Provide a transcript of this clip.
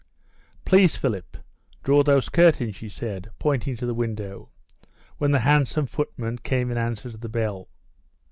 "Please, Philip, draw these curtains," she said, pointing to the window, when the handsome footman came in answer to the bell.